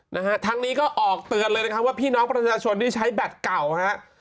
นะฮะทั้งนี้ก็ออกเตือนเลยนะครับว่าพี่น้องประชาชนที่ใช้แบตเก่าฮะ